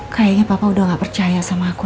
kayaknya papa udah gak percaya sama aku